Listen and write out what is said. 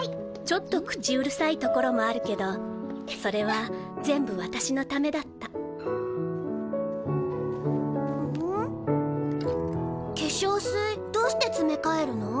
ちょっと口うるさいところもあるけどそれは全部私のためだった化粧水どうしてつめかえるの？